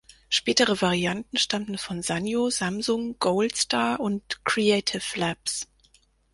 Spätere Varianten stammten von Sanyo, Samsung, Goldstar und Creative Labs.